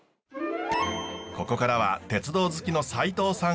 ここからは鉄道好きの斉藤さん